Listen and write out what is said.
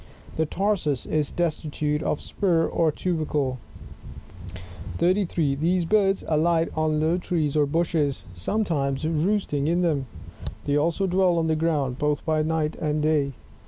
The tarsus is destitute of spur or tubercle. 33. These birds alight on low trees or bushes, sometimes roost ing in them; they also dwell on the ground, both by night and day.